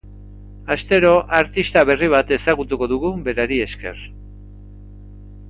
Astero artista berri bat ezagutuko dugu berari esker.